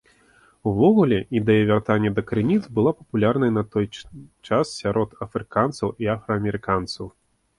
Увогуле, ідэя вяртання да крыніц была папулярная на той час сярод афрыканцаў і афраамерыканцаў.